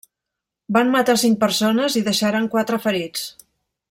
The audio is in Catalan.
Van matar cinc persones i deixaren quatre ferits.